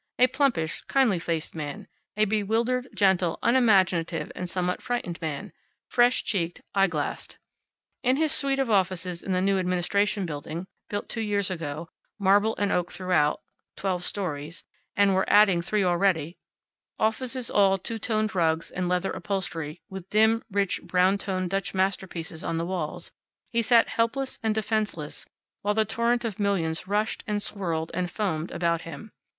A plumpish, kindly faced man; a bewildered, gentle, unimaginative and somewhat frightened man, fresh cheeked, eye glassed. In his suite of offices in the new Administration Building built two years ago marble and oak throughout twelve stories, and we're adding three already; offices all two toned rugs, and leather upholstery, with dim, rich, brown toned Dutch masterpieces on the walls, he sat helpless and defenseless while the torrent of millions rushed, and swirled, and foamed about him.